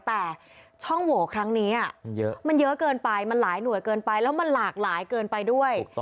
แต่ช่องโหวครั้งนี้มันเยอะเกินไปมันหลายหน่วยเกินไปแล้วมันหลากหลายเกินไปด้วย